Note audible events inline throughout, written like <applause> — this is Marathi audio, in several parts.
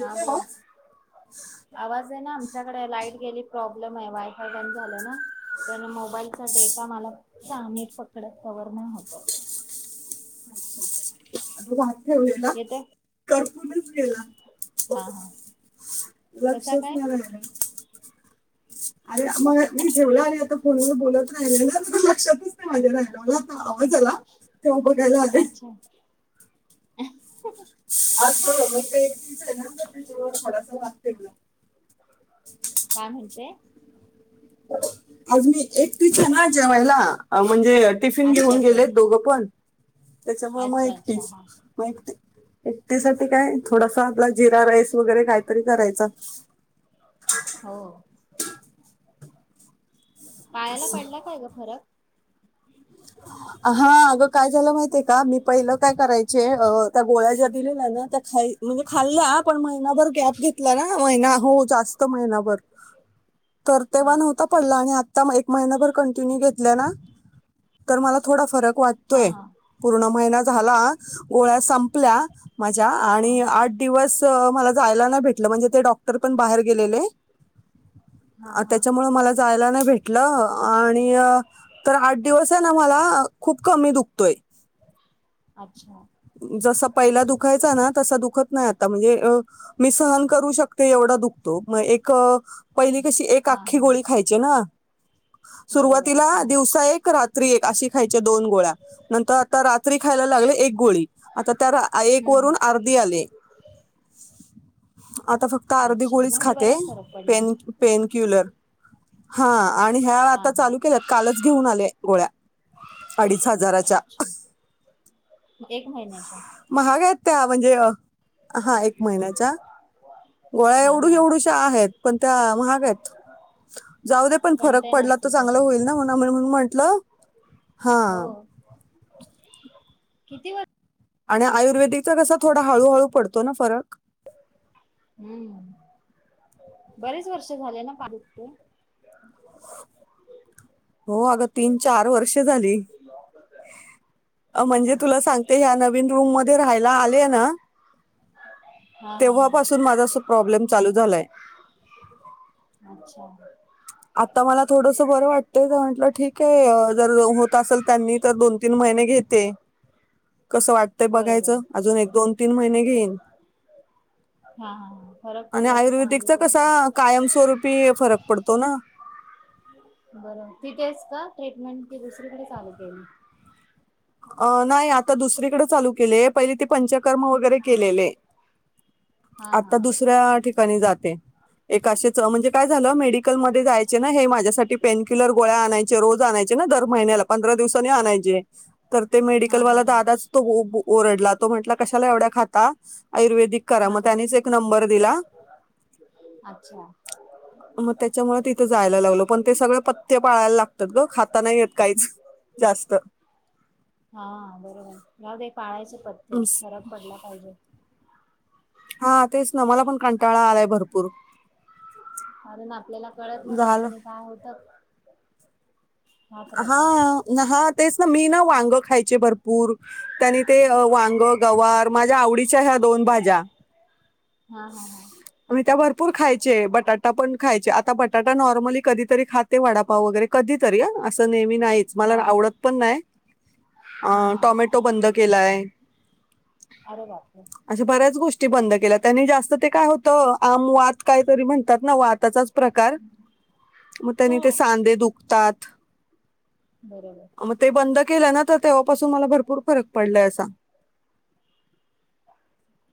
हा बोल आवाज आहे, ना आमच्याकडे लाईट गेली प्रॉब्लेम. नाही बाई. हां बंद झाला ना मोबाईलचा डे हा मला साग नीट पकडत कवर नाही होत. <unintelligible> ठेवलेला येते कर. म्हणून च गेला. हा हा. कसा लक्षच काय नाही राहिलं. अरे मग मी ठेवलं आणि आता फोनवर बोलत राहिले ना लक्षातच नाही माझ्या राहिला मला <unintelligible> हो चला तेव्हा बघायला आले. अ ह काय म्हणते. आज मी. एकटीच आहे ना जेवायला? अ म्हणजे टिफिन अच्छा घेऊन अच्छा गेलेत दोघं पण. त्याच्यामुळे म अच्छा अच्छा एकटच हा मा एकटी. एकटीसाठी. काय थोडस आपला जिरा राईस वगैरे काहीतरी करायचा. हो. पायाला पडला काय ग फरक. ह हा अगं काय झालं माहित्येय का मी पहिलं काय करायचे अ! त्या गोळ्या ज्या दिलेल्या ना त्या खाय म्हणजे. खाल्ल्या पण महिनाभर गॅप घेतला ना महिना हो जास्त महिनाभर तर हा तेव्हा नव्हता पडला आणि आ त एक महिनाभर कंटिन्यू घेतलं ना. तर मला थोडा फरक हा वाटतोय हा पूर्ण महिन्यात. झाला गोळ्या संपल्या. माझ्या हा आणि आठ दिवस त मला जायला नाही भेटलं म्हणजे ते डॉक्टर पण बाहेर गेलेले. हा हा त्याच्यामुळ मला जायला नाही भेटलं आणि तर आठ दिवस मला खूप कमी दुकतोय. अच्छा. जसं पहिला दुखायचा ना तसा दुखत नाही अ ता म्हणजे मी सहन करू शकते एवढा दुखतो मग एक पहिली कशी एक हा आख्खी हा गोळी खायची ना. बरोबर सुरुवातीला हा दिवसा एक रात रात्री एक अशी खायची दोन गोळ्या, नंतर आता रात्री खायला लागले एक गोळी. आता त्या एक हम्म हम्म. वरून अर्धी आले. <inaudible> आता फक्त अर्धी अच्छा गोळीच म्हणजे खाते. बराच फरक पडला पेन पेन क्युलर. हा आणि ह्या हा आता हा चालू केल्यात कालच घेऊन आले गोळ्या, अडीच हजाराच्या. अच्छा एक महिन्याच्या. महाग आहेत त्या म्हणजे हा एक महिन्याच्या, गोळ्या हा एवढू हा एवढूशा आहेत. पण त्या महागयत, जाऊ दे पण फरक कंटेन पडला त असतील चांगला तसे होईल ना म्ह म्हंटलं हा. हो किती वज आणि आयुर्वेदिकचा कसा थोडा हळूहळू पडतो ना फरक. हम्म, बरेच वर्ष झाले ना <unintelligible> हो अग तीन चार वर्ष झाली, तेच म्हणजे ना तुला सांगते ह्या नवीन रूम म राहायला आले ना. हा हा हा तेव्हापासून माझा अस प्रॉब्लेम चालू झालाय. अच्छा आता मला थोडस बरं वाटतय म्हटलं ठीक आहे जर होत असेल त्यांनी तर दोन तीन महिने घेते, कसं वाट ते बघायचं बरोबर अजून एक दोन तीन महिने घेईन हा हा हा फरक आणि पडला तर चांगली आयुर्वेदिकचा गोष्ट कसा कायमस्वरूपी फरक पडत. तो ना. बरोबर तिथेच का ट्रीटमेंट कि दुसरीकडे चालू केली. अ नाही आता दुसरीकडें चालू केलेय पहिले ते पंचकर्म वगैरे केलेले. हा हा आता दुसऱ्या ठिका एका ठिकाणी जाते, एकाशे म्हणजे काय झालं मेडिकलमध्येध्ये जाय ना हे माझ्यासाठी पेन किलर गोळ्या आणायचे रोज आणायचे ना दर महिन्याला पंधरा दिवसानी आणायचे! तर ते हा हा मेडिकलवाला हा दादाच तो ओ बो ओरडला तो म्हंटला कशाला एवढ्या खाता? आयुर्वेदिक करा हा मग हा त्यानेच एक नंबर दिला अच्छा मग त्याच्यामुळे तिथे जायला लागलो पण ते सगळे पत्त्य पाळायला लागतात ग खाता नाही येत काहीच जास्त! हां बरोबर आहे जाऊदे पाळायचे पथ्य, हम्म. फरक पडला पाहिजे. हा तेच ना मला पण कंटाळा आलाय भरपूर - कारण आप आपल्याला कळत ना कशाने काय होतं? राहत राहत हा हा तेच ना मी ना वांग खायची - भरपूर त्या ते वांग, गवार माझ्या आवडीच्या ह्या दोन भाज्या - हां हां हां! भरपूर खायचे बटाटा पण खायचे आता बटाटा नॉर्मली कधीतरी खाते वडापाव वगैरे कधीतरी आ अस नेहमी नाहीच मला हा आवडत पण नाही हा आ हा टोमॅटो बंद केलाय. अरे बापरे अशा बऱ्याच गोष्टी! बंद केल्या त्यानी जास्त ते काय होत आम वात काय तरी म्हणतात वात - त्याचाच प्रकार मग त्यानी हो ते सांदे दुख - तातत बरोबर मग ते बंद. केला ना तर तेव्हापासून मला भरपूर फरक पडला असा -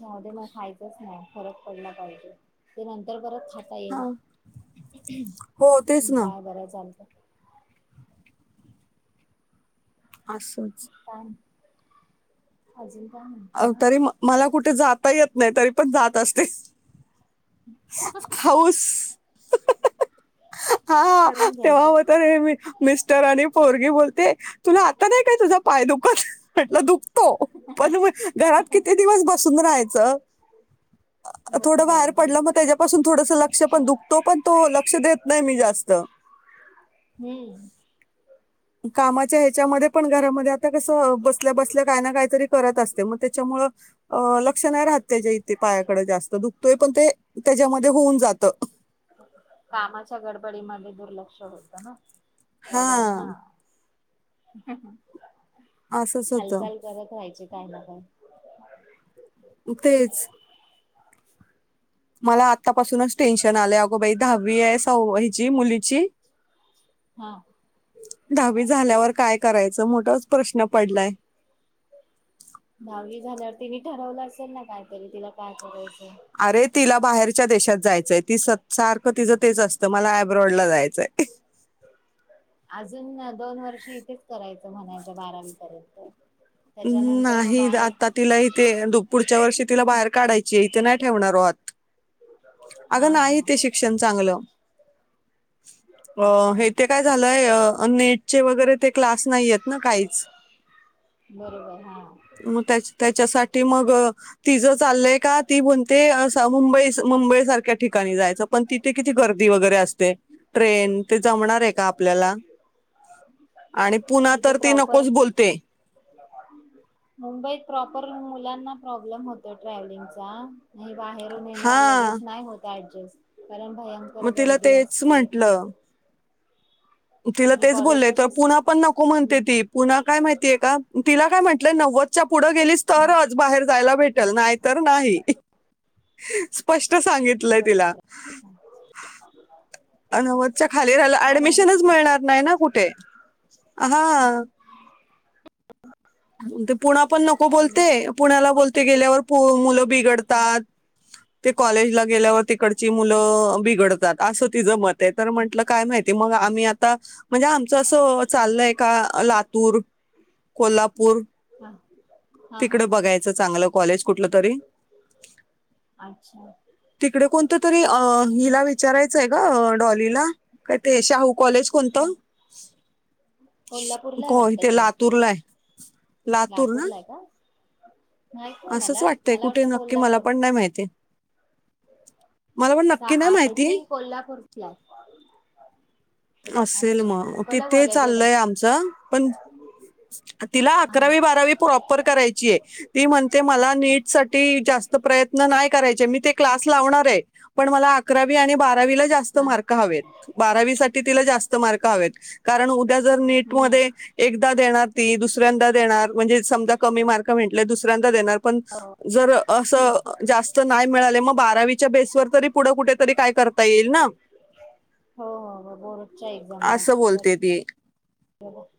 जाऊदे म खायचंच नाही. फरक पडला पाहिजे ते नंतर परत - आता येईल हां. हो, तेच ना. काय बरं चालत - असच - काय अजून काय म्हणते आव मग तरी मला कुठ - कुठ जाता येत नाही तरी पण जात असते. हऊस, हाहा हाहा हा करून तेव्हा घ्यायचे हे तर मी मिस्टरानी पोरगी बोलते तुला आता नाही काय तुझा पाय दुखत म्हटलं दुख! तो पण घरात किती दिवस ब - बसून रहायचं! बर बर हो <unintelligible> हम्म कामाच्या ह्याच्यामध्ये पण घरामध्ये आता कस बसल्या बसल्या काय ना काहीतरी - करतअसते मग त्याच्यामुळे लक्ष नाही राहत त्या इथ पायाकडे जात दुखतोय पण ते त्याच्या होऊन. जातं कामाच्या गडबडी मध्ये दुर्लक्ष - लक्ष होत ना! एवढं हा - <unintelligible> असंच होतं हालचाल करत राहायची काही ना काय - तेच - मला आतापासूनच टेन्शन आलं अगो बाई दहावी आहे सहावी हिची मुलीची हा - दहावी झाल्यावर काय करायचं मोठा प्रश्न - पडलाय. दहावी झाल्यावर तिने ठरवलं असेल ना कायतरी तिला काय करायचं. अरे तिला बाहेर - बाहेरच्या देशात जायचं ती सारखं तिचं तेच असत मला अभ्य - रोड ला जायचंय <unintelligible> अजून दोन वर्ष इथेच करायचं म्हणायचं बारावी पर्यंत - हम्म नाही आता तिला इथे पुढच्या वर्षी तिला बाहेर काढायची इथे नाही ठेवणार आता - अगं हा हा नाही ते हा शिक्षण चांगलं अ अच्छा हे ते काय झालंय नेटचे वगैरे ते क्लास नाहीय ना काहीच - बरोबर हा साठी मग तिच चालले का ती म्हणते अस मुंबई मुंबई सारख्या ठिकाणी जायचं पण तिथे किती गर्दी वगैरे असते ट्रेन, ते जमणार आहे का आपल्याला? आणि पुणा इथे तर ती प्रॉपर नकोच बोलते. मुंबईत प्रॉपर मुलांना प्रॉब्लेम होत ट्रॅव्हलिंगचा बाहेरून येणार हा लगेच नाही होत ऍडजस्ट कारण भयंकर मग तिला गर्दी तेच असते म्हंटलं तिला आणि तेच कॉलेज बोललंय तर कसे पुना पण नको म्हणते ती, पुना काय माहितीय का, तिला काय म्हण नव्वद च्या पुढे गेलीस तरच बाहेर जयला भेटल, नाही तर नाही, स्पष्ट सांगितलंय तिला. नव्वदच्या खाली राहिलं छान आहे ऍडमिशनच मिळणार नाही ना कुठे, हा ते पुणा पण नको ना बोलते, ऍडमिशन पुण्याला होईल बोलते गेल्यावर मुलं हा बिघडतात ते कॉलेजला गेल्यावर ते तिकडची मुलं बिघडतात असं तिचं मत आहे, तर म्हंटलं काय माहितीय मग आम्ही आता म्हणजे, आमचं असं हा चाललंय का लातूर, कोल्हाप पूर हा हा हा तिकडं हा बघायचं चांगल कॉलेज कोणतेतरी, अच्छा तिकडे कोणतेतरी अ हिला विचारायचं गं! डॉलीला, काय ते शाहू कॉलेज कोणत? ते कोल्हापूरला आहे वाटतं तेे ते लातूरला आहे. लातूर ना लातूरला का? माहित नाही असंच मला वाटतंय मला कुठे वाटलं नक्की मला कोल्हापूर पण नाही माहिती. मला पण नक्की नाही आय माहिती थिंक कोल्हापूर. या, असेल मग तिथे चाललंय आमचं पण तिला हा अकरावी बारावी प्रॉपर करायची आहे. ती म्हणते मला नीट साठी जास्त प्रयत्न नाही करायचे, मी ते क्लास लावणार आहे, पण मला अकरावी आणि बारावी बारावीला जास्त हा मार्क हवे, बारावीसाठी बारावीला जास्त मार्क हवे, कारण जर नीट हम्म मध्ये एक देणार ती, दुसऱ्यांदा देणार, म्हणजे समजा कमी मार्क भेटले, दुसरं रहता दे नाना जर अस जास्त नाही मिळाले, मग बारावीच्या बेसवर तरी पुढ कुठेतरी काय करता येईल ना. बोर्ड च्या एक्झामला बर. <inaudible>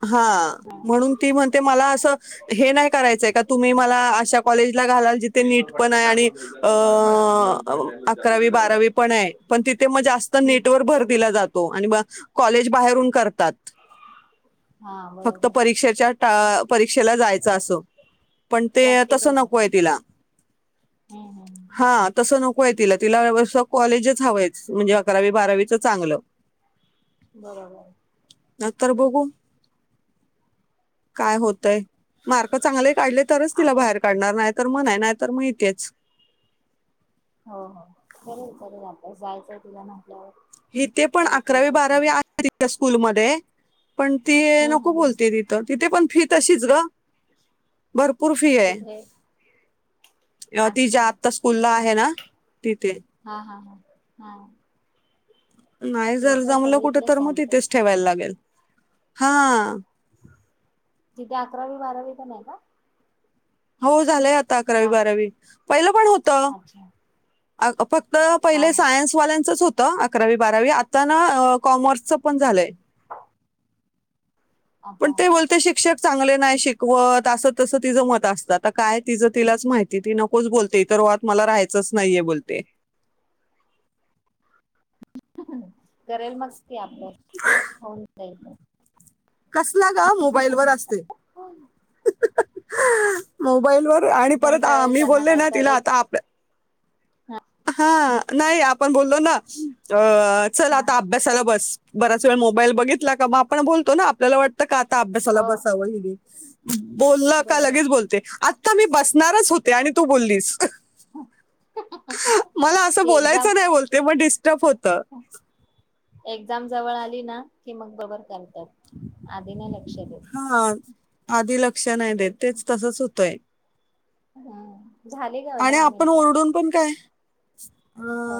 हा म्हणून ती म्हण मला अस हे नाही, करायचंय का तुम्ही मला अश कॉलेजला घालाल जिथे मेल वर नीट पण पटकन आहे आणि टाकून दिलं तर मला अ... रिप्लाय द्यायला जास्त अकरावी वेळ नाही बारावी लागला पण चेक आहे. करून पण तिथे मग जास्त नीट व हम्म भर दिला जात. आणि म कॉलेज बाहेरून कर तात हा फक्त पे बरोबर परीक्षेच्या टा परीक्षेला जायच अस पण ते तस प्रॅक्टिकल नकोय साठी तिला हम्म हम्म हा तस नको होय तिला तिलासं कॉलेजच हवंयच म्हणजे, अकरावी बारावीचं चांगलं. बरोबर! नायतर बघू काय होतय. मार्क चांगले काढले तरच तिला आहे बाहेर काढणार नाही तर मणाय नाही तर माहितेच. हो हो करेलकरेल अभ्यास जायचंय तिला ना! इथे पण अकरावी बारावी आहे स्कूलमध्ये. ते. पण ती हम्म हम्म नको हम्म बोलते तिथं तिथे पण फी तशीच ग भरप पूर फी आहे. कुठे ति ज्या अच्छा आता स्कूल लाय हे ना, तिथे हा हा हा. हा. नाही जर हिच जमलं कुठ सगळीकडे तर मग चालतच तिथेच ठेवायला लागेल. हा. तिथे अकरावी बारावी पन हाय का? हो झालंय आत अकरावी ह्या बारावी पहिलं पण होत. अच्छा अ ग प तर हा पहिले हा सायन्स वाल्यांच होत. त अकरावी बारावी आता न कॉमर्सचं पण झालंय. पण आता ते बोलते शिक्षक चांगले नाही शिकवत असं तसं तिचं मत असतं आ काय तीज तिलाच माहिती ती नकोच बोलते इत रोहात मला राहायचच नाहीये बोलते. करेल मग ती आभ्यास होऊन जाईल. कसला ग मोबाईल वर असते. एक्झाम <unintelligible> मोबाईलवर. आणि परत अ कळेल मी त्यांना बोलले ना, कळत तिला एक आता आप हा नाही आपण बोललो ना अ चल हा आता अभ्यासाला बस. बराच वेळ मोबाईल बघितला का मग आपण बोलतो ना आपल्याला वाटतं का? ता अभ्यासाला हो बसावं हि बोललं का बरोबर लगेच बोलते आता. आता मी बसणारच होते आणि तू बोललीस. हम्म. मला असं बोलायचं नाही बोलते म डीस एक्झाम जवळ आली. की मग बबर <unintelligible> त आदिना लक्ष दे. हा आधी लक लक्षण नाही देत तेच तसंच होतंय. हम् आणि आपण ओरडून पण काय हो